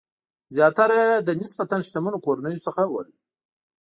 زیاتره یې له نسبتاً شتمنو کورنیو څخه ول.